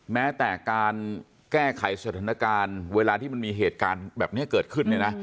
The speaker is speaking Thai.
แม้แต่การแก้ไขสถานการณ์เวลาที่มันมีเหตุการณ์แบบนี้เกิดขึ้นเนี่ยนะ